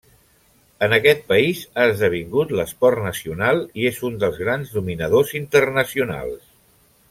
En aquest país ha esdevingut l'esport nacional i és un dels grans dominadors internacionals.